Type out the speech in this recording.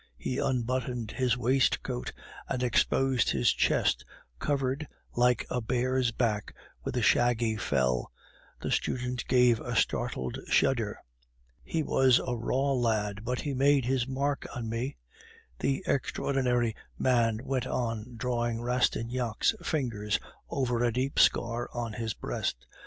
(he unbuttoned his waistcoat and exposed his chest, covered, like a bear's back, with a shaggy fell; the student gave a startled shudder) "he was a raw lad, but he made his mark on me," the extraordinary man went on, drawing Rastignac's fingers over a deep scar on his breast.